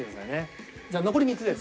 じゃあ残り３つです。